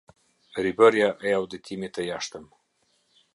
Ribërja e auditimit të jashtëm.